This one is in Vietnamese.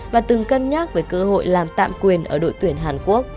và từng cân nhắc về cơ hội làm tạm quyền ở đội tuyển hàn quốc